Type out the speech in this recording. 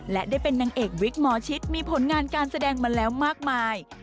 และได้เป็นนางเอกวิกหมอชิตมีผลงานการแสดงมาแล้วมากมาย